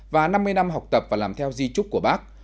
và năm mươi năm học tập và làm theo di trúc của bác